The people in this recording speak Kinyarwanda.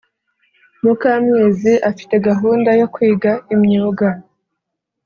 mukamwezi afite gahunda yo kwiga imyuga